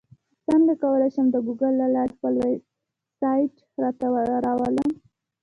څنګه کولی شم د ګوګل له لارې خپل ویبسایټ راته راولم